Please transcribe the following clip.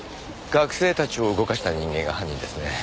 学生たちを動かした人間が犯人ですね。